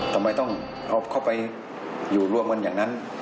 ทำไมต้องเอาเข้าไปอยู่ร่วมกันอย่างนั้น